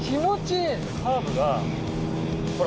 カーブが。